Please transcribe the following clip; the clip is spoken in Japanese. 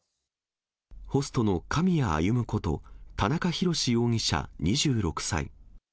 ホストの狼谷歩こと、田中裕志容疑者２６歳。